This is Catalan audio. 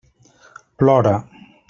Plora.